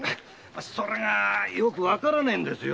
それがよくわからねえんですよ。